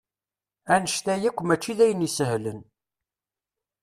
Annect-a akk mačči d ayen isehlen.